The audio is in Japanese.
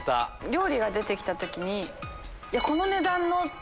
料理が出て来た時に。